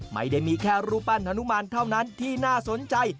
ไม่ได้มีแค่รูปปั้นฮนุมานเท่านั้นที่น่าสนใจ